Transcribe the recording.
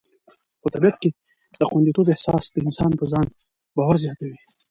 په طبیعت کې د خوندیتوب احساس د انسان په ځان باور زیاتوي.